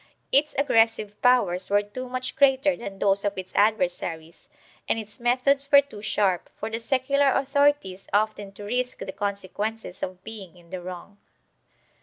Its aggressive powers were too much greater than those of its adversaries, and its methods were too sharp, for the secular authorities often to risk the consequences of being in the wrong.